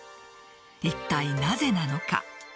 いったいなぜなのか。